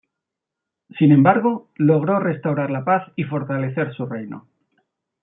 Sin embargo, logró restaurar la paz y fortalecer su reino.